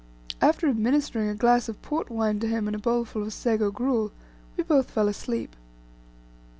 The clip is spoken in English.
After administering a glass of port wine to him in a bowlful of sago gruel, we both fell asleep.